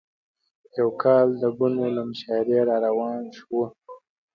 یو کال د بنو له مشاعرې راروان شوو.